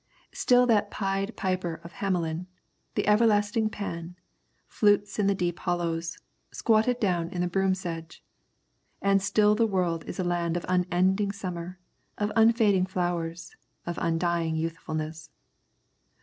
Still that Pied Piper of Hamelin, the everlasting Pan, flutes in the deep hollows, squatted down in the broom sedge. And still the world is a land of unending summer, of unfading flowers, of undying youthfulness.